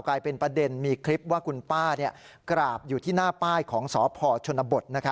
กลายเป็นประเด็นมีคลิปว่าคุณป้ากราบอยู่ที่หน้าป้ายของสพชนบท